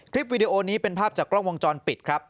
วิดีโอนี้เป็นภาพจากกล้องวงจรปิดครับ